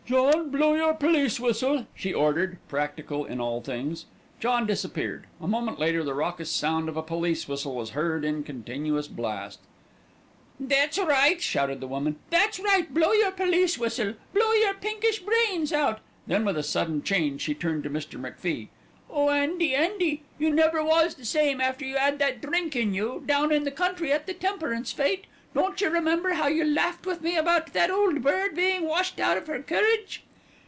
"John, blow your police whistle," she ordered, practical in all things. John disappeared. A moment later the raucous sound of a police whistle was heard in continuous blast. "That's right!" shouted the woman, "that's right! Blow your police whistle! Blow your pinkish brains out!" Then with a sudden change she turned to Mr. MacFie. "Oh, Andy, Andy! You never was the same man after you 'ad that drink in you down in the country at the temperance fête. Don't you remember how you laughed with me about that Old Bird being washed out of her carriage?"